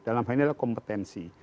dalam hal ini adalah kompetensi